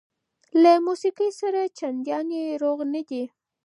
له موسقۍ سره چنديان روغ نه دي